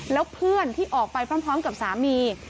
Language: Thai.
แล้วเพื่อนที่ออกไปพร้อมกับสามี